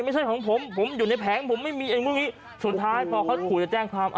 พี่ข้าแก้หนูพาไปแจ้งภาพแน่นอน